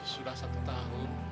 sudah satu tahun